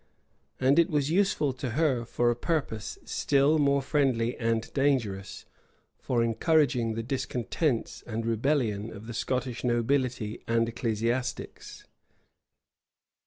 And it was useful to her for a purpose still more unfriendly and dangerous, for encouraging the discontents and rebellion of the Scottish nobility and ecclesiastics.